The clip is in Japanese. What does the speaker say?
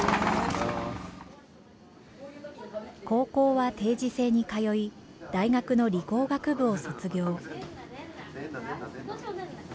高校は定時制に通い大学の理工学部を卒業。